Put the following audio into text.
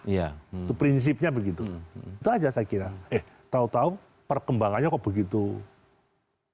itu prinsipnya begitu itu saja saya kira eh tau tau perkembangannya kok begitu kuas